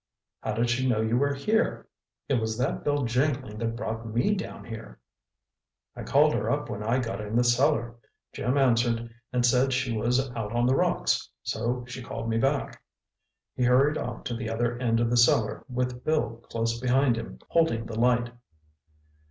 "How did she know you were here? It was that bell jingling that brought me down here." "I called her up when I got in the cellar. Jim answered and said she was out on the rocks—so she called me back." He hurried off to the other end of the cellar with Bill close behind him holding the light.